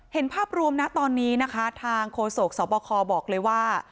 ภาพรวมนะตอนนี้นะคะทางโฆษกสบคบอกเลยว่า